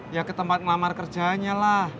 ya ke tempat ngelamar kerjanya lah